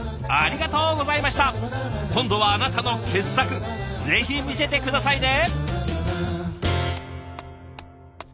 今度はあなたの傑作ぜひ見せて下さいね！